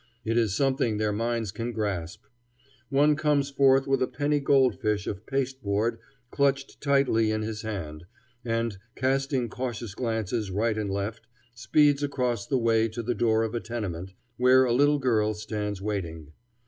It is something their minds can grasp. One comes forth with a penny goldfish of pasteboard clutched tightly in his hand, and, casting cautious glances right and left, speeds across the way to the door of a tenement, where a little girl stands waiting.